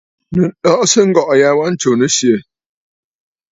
Nɨ̀ lɔꞌɔsə ŋgɔ̀ꞌɔ̀ ya wa ntsù nɨ̀syɛ̀!